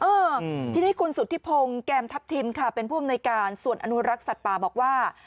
เออทีนี้คุณสุธิพงศ์แก้มทัพทิมค่ะเป็นผู้อำนวยการส่วนอนุรักษ์สัตว์ป่าบอกว่า